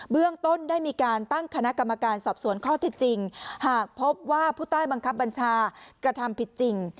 เรื่องต้นได้มีการตั้งคณะกรรมการสอบสวนข้อที่จริงหากพบว่าผู้ใต้บังคับบัญชากระทำผิดจริง